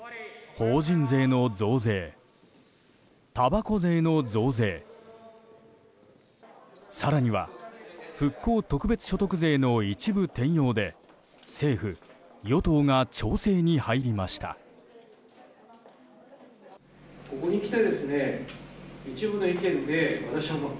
法人税の増税、たばこ税の増税更には復興特別所得税の一部転用で政府・与党が調整に入りました。